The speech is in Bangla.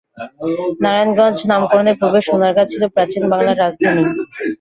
নারায়ণগঞ্জ নামকরণের পূর্বে সোনারগাঁ ছিল প্রাচীন বাংলার রাজধানী।